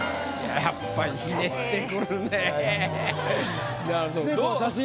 やっぱりひねってくるね。